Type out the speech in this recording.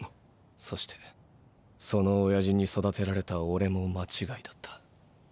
そしてその親父に育てられたオレも間違いだった。